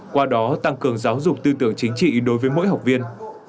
qua đó tăng cường giáo dục tư tưởng chính trị đối với mỗi học viên